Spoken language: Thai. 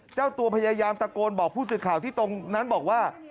เจ้าตัวพยายามตะโกนบอกผู้สื่อข่าวที่ตรงนั้นบอกว่า